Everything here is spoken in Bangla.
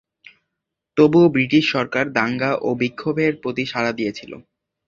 তবুও ব্রিটিশ সরকার দাঙ্গা ও বিক্ষোভের প্রতি সাড়া দিয়েছিল।